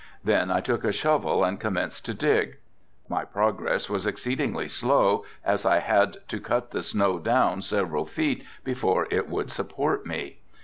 Then I took a shovel and commenced to dig. My progress was exceedingly slow as I had to cut the snow down several feet before it would support me.